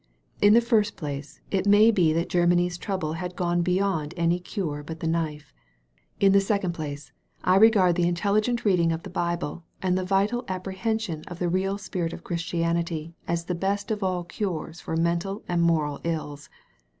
In the first place, it may be that Germany's trouble had gone beyond any cure but the knife. In the second place, I regard the in telligent reading of the Bible and the vital appre hension of the real spirit of Christianity as the best of all cures for mental and moral ills.